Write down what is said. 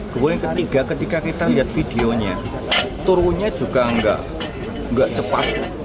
kemudian ketiga ketika kita lihat videonya turunnya juga nggak cepat